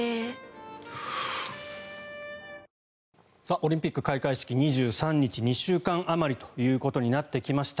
オリンピック開会式２３日２週間あまりということになってきました。